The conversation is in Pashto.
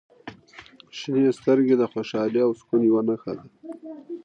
• شنې سترګې د خوشحالۍ او سکون یوه نښه دي.